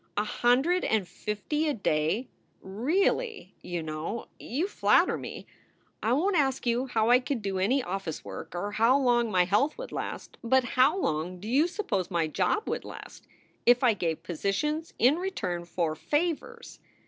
A hundred and fifty a day really, you know. You flatter me! I won t ask you how I could do any office work or how long my health would last, but how long do you suppose my job would last if I gave positions in return for favors?